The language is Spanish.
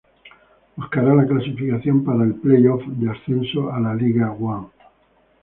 Buscará la clasificación para el Play-Off de Ascenso a la League One.